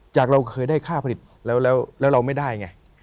เราเคยได้ค่าผลิตแล้วเราไม่ได้ไง